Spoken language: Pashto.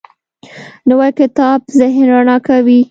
نوی کتاب ذهن رڼا کوي